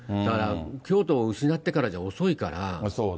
京都を失ってからじゃ遅いから。